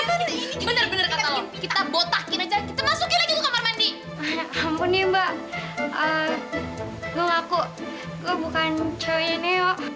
gue laku gue bukan ceweknya neo